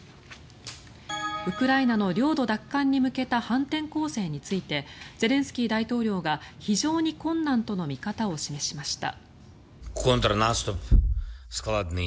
ウクライナの領土奪還に向けた反転攻勢についてゼレンスキー大統領が非常に困難との見方を示しました。